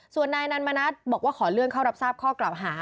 ส่วนนายนันมณัฐบอกว่าขอเลื่อนเข้ารับทราบข้อกล่าวหา